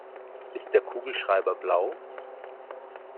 Ist der Kugelschreiber blau?